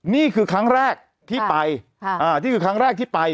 นี่คือครั้งแรกที่ไปนี่คือครั้งแรกที่ไป